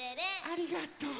ありがとう。